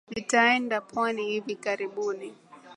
Nitaenda pwani hivi karibuni